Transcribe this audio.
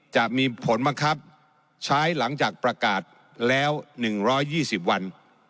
จะมีผลบังคับใช้หลังจากประกาศแล้ว๑๒๐วัน